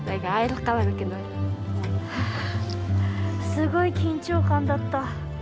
すごい緊張感だった。